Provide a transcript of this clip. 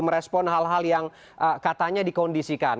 merespon hal hal yang katanya dikondisikan